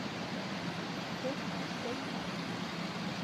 Тып-тып!